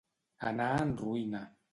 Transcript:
Anar en roïna.